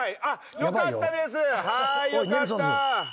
よかった。